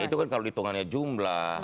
ya itu kan kalau dihitungannya jumlah